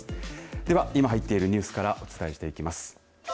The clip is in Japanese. では、今入っているニュースからお伝えしていきます。